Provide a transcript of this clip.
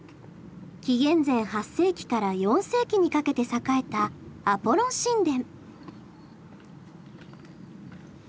紀元前８世紀から４世紀にかけて栄えたアポロン神殿。